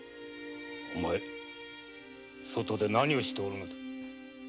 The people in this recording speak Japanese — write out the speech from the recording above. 外で何をしておるのだ。